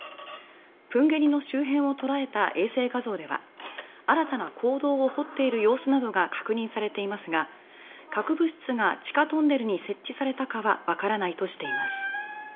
プンゲリの周辺を捉えた衛星画像では新たな坑道を掘っている様子などが確認されていますが核物質が地下トンネルに設置されたかはわからないとしています。